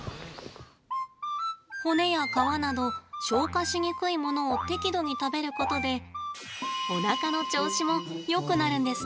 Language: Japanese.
骨や皮など消化しにくいものを適度に食べることでおなかの調子もよくなるんですって。